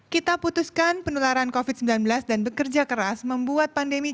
kita putuskan penularan covid sembilan belas dan bekerja keras membuat pandemi